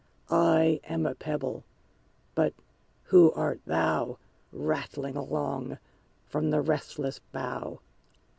I am a Pebble! but who art thou, Rattling along from the restless bough?"